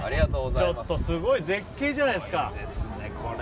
ちょっとすごい絶景じゃないですか。